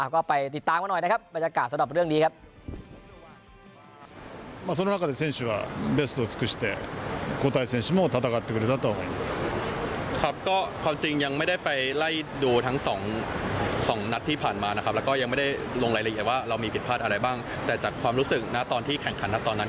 ก็ไปติดตามกันหน่อยนะครับบรรยากาศสำหรับเรื่องนี้ครับ